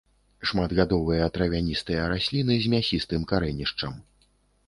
Шматгадовыя травяністыя расліны з мясістым карэнішчам.